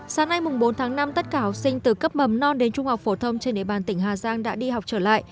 sáng nay bốn tháng năm tất cả học sinh từ cấp mầm non đến trung học phổ thông trên địa bàn tỉnh hà giang đã đi học trở lại